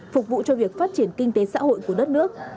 phục vụ cho việc phát triển kinh tế xã hội của đất nước